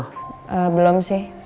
eh belum sih